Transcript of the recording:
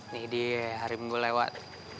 nih dia harimu lewat